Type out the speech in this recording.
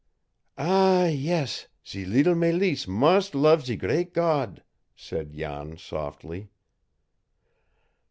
"Ah, yes, ze leetle Mélisse mus' love ze great God!" said Jan softly.